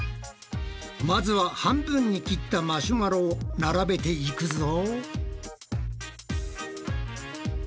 まずは半分に切ったマシュマロを並べていくぞ。